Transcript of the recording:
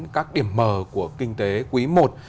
các điểm mờ của kinh tế quý một